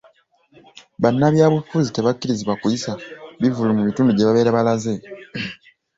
Banabyabufuzi tebakkirizibwa kuyisa bivvulu mu bitundu gye babeera balaze.